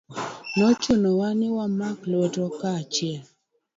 Ne ochunowa ni wamak lwetwa kanyachiel